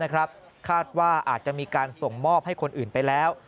คาดว่าอาจจะมีการส่งมอบให้คนอื่นไปแล้ว